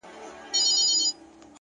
نیک اخلاق تلپاتې درناوی زېږوي,